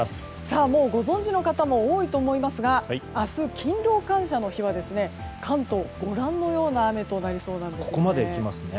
もうご存じの方も多いと思いますが明日、勤労感謝の日は関東、ご覧のような雨となりそうなんです。